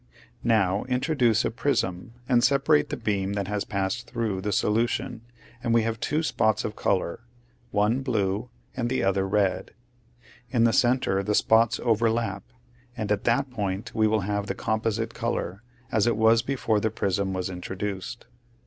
Now introduce a prism and separate the beam that has passed through the solution and we have two spots of color, one blue and the other red. In the center the spots overlap, and at that point we will have the composite color as it was before the prism was introduced.